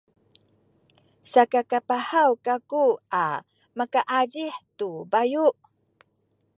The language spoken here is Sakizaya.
sakakapahaw kaku a makaazih tu bayu’.